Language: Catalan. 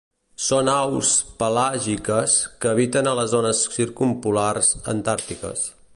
Són aus pelàgiques que habiten a les zones circumpolars antàrtiques.